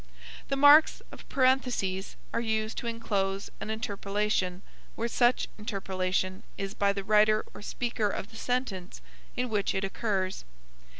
The marks of parenthesis () are used to inclose an interpolation where such interpolation is by the writer or speaker of the sentence in which it occurs.